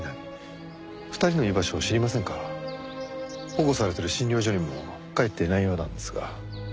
保護されてる診療所にも帰っていないようなんですが。